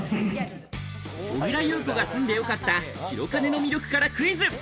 小倉優子が住んでよかった白金の魅力からクイズ！